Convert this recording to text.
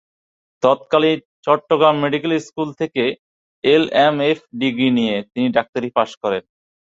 তৎকালীন Chittagong medical school থেকে L M F degree নিয়ে তিনি ডাক্তারি পাশ করেন।